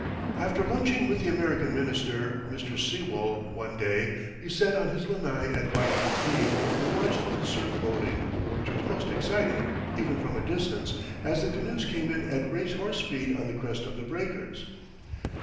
[Illustration: Surf Boating] After lunching with the American Minister, Mr. Sewall, one day, we sat on his lanai at Waikiki and watched the surf boating, which was most exciting, even from a distance, as the canoes came in at racehorse speed on the crest of the breakers.